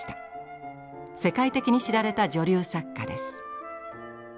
世界的に知られた女流作家です。